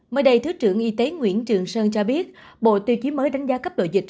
mới đây thứ trưởng y tế nguyễn trường sơn cho biết bộ tiêu chí mới đánh giá cấp độ dịch